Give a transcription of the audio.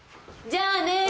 じゃあねー。